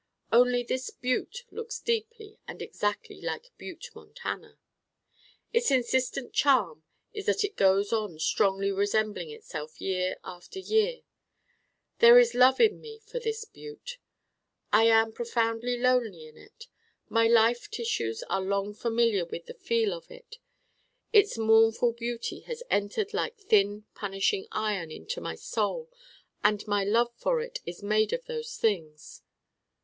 Only this Butte looks deeply and exactly like Butte Montana. Its insistent charm is that it goes on strongly resembling itself year after year. There is love in me for this Butte. I am profoundly lonely in it: my life tissues are long familiar with the feel of it: its mournful beauty has entered like thin punishing iron into my Soul: and my love for it is made of those things.